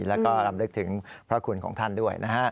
แล้วก็รำลึกถึงพระคุณของท่านด้วยนะฮะ